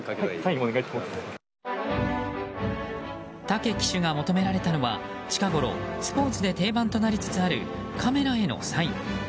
武騎手が求められたのは近ごろ、スポーツで定番となりつつあるカメラへのサイン。